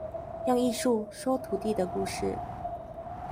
用藝術，說土地的故事